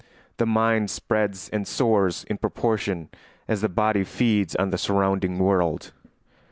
The mind spreads and soars in proportion as the body feeds on the surrounding world.